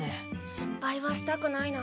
失敗はしたくないな。